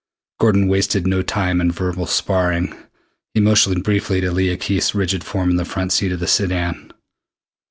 Gordon wasted no time in verbal sparring. He motioned briefly to Leah Keith's rigid form in the front seat of the sedan.